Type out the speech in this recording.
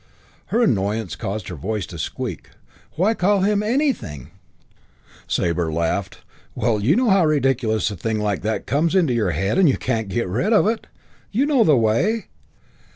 Her annoyance caused her voice to squeak. "Why call him anything?" Sabre laughed. "Well, you know how a ridiculous thing like that comes into your head and you can't get rid of it. You know the way."